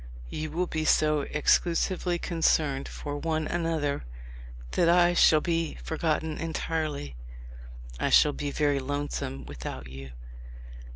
You will be so exclusively concerned for one another that I shall be forgotten entirely. .. I shall be very lonesome without you.